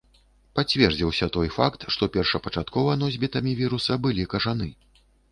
Пацвердзіўся той факт, што першапачаткова носьбітамі віруса былі кажаны.